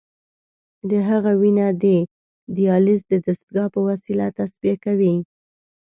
د هغه وینه د دیالیز د دستګاه په وسیله تصفیه کوي.